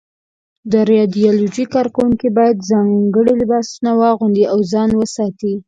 د رادیالوجۍ کارکوونکي باید ځانګړي لباسونه واغوندي او ځان وساتي.